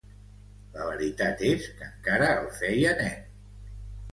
La veritat és que encara el feia nen.